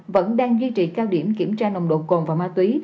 vẫn đang duy trì cao điểm kiểm tra nồng độ cồn và ma túy